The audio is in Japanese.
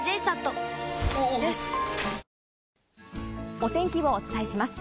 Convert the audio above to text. お天気をお伝えします。